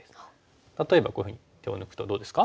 例えばこういうふうに手を抜くとどうですか？